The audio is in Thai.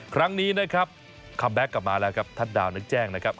ครั้งนี้นะครับคัมแบ็คกลับมาแล้วครับทัศน์ดาวนั้นแจ้งนะครับ